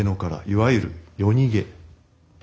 いわゆる夜逃げ。